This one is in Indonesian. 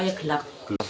iya kan gelap aja gelap